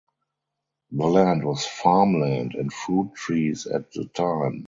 The land was farm land and fruit trees at the time.